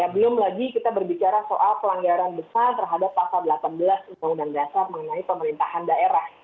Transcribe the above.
belum lagi kita berbicara soal pelanggaran besar terhadap pasal delapan belas undang undang dasar mengenai pemerintahan daerah